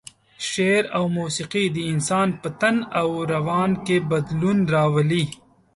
شعر او موسيقي د انسان په تن او روان کې بدلون راولي.